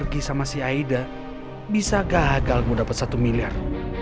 bisa gak agak aku dapat satu miliar